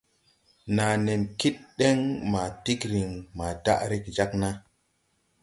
Naa nen kid den maa tigrin maa daʼ rege jāg naa.